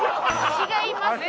違いますよ。